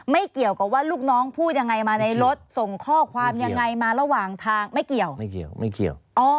ไม่เกี่ยวกับว่าลูกน้องพูดยังไงมาในรถส่งข้อความยังไงมาระหว่างทางไม่เกี่ยวไม่เกี่ยวไม่เกี่ยว